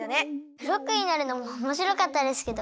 ブロックになるのもおもしろかったですけど